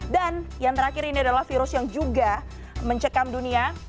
dan yang terakhir ini adalah virus yang juga mencekam dunia